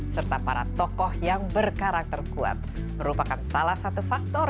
serta para tokoh yang berkarakter kuat merupakan salah satu faktor